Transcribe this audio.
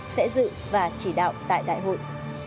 sẽ dự và chỉ đạo tại đại hội